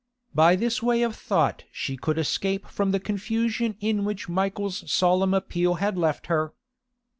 By this way of thought she could escape from the confusion in which Michael's solemn appeal had left her.